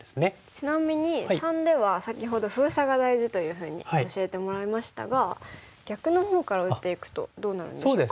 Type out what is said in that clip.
ちなみに③では先ほど封鎖が大事というふうに教えてもらいましたが逆のほうから打っていくとどうなるんでしょうか。